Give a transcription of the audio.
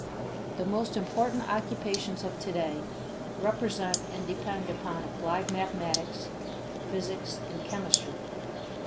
The most important occupations of today represent and depend upon applied mathematics, physics, and chemistry.